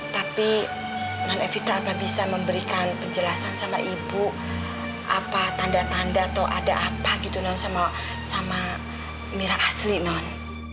tapi non evita apa bisa memberikan penjelasan sama ibu apa tanda tanda atau ada apa gitu non sama mira asli non